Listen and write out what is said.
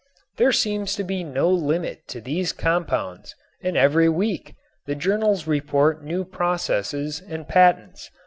There seems to be no limit to these compounds and every week the journals report new processes and patents.